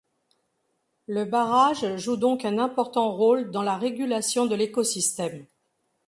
Le barrage joue donc un important rôle dans la régulation de l’écosystème.